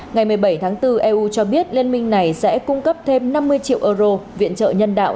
ngày một mươi bảy tháng bốn eu cho biết liên minh này sẽ cung cấp thêm năm mươi triệu euro viện trợ nhân đạo